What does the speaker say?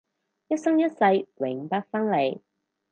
一生一世永不分離